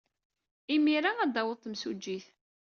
Imir-a ad d-taweḍ temsujjit.